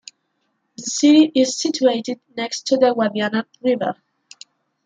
The city is situated next to the Guadiana river.